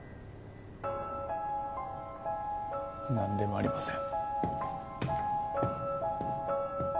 なんでもありません。